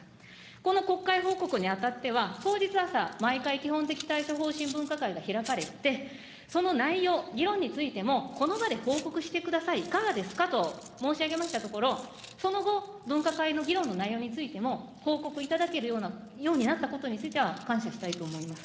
この国会報告にあたっては、当日朝、毎回、基本的対処方針分科会が開かれて、その内容、議論についてもこの場で報告してください、いかがですかと申し上げましたところ、その後、分科会の議論の内容についても報告いただけるようになったことについては、感謝したいと思います。